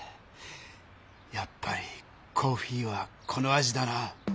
やっぱりコーヒーはこの味だな。